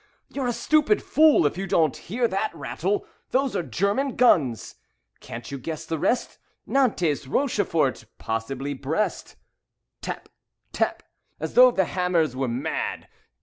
You're a stupid fool if you don't hear that rattle. Those are German guns. Can't you guess the rest? Nantes, Rochefort, possibly Brest." Tap! Tap! as though the hammers were mad.